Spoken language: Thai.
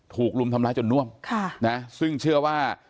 ถูกลุ้มทำล้ายจนนวมนะฮะซึ่งเชื่อว่า